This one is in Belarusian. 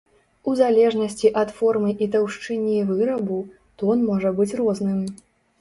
У залежнасці ад формы і таўшчыні вырабу, тон можа быць розным.